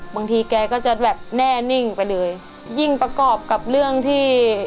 บางทีแกก็จะแบบแน่นิ่งไปเลยยิ่งประกอบกับเรื่องที่